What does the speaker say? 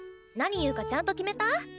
何言うかちゃんと決めた？